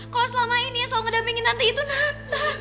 kalau selama ini yang selalu ngedampingin tante itu nathan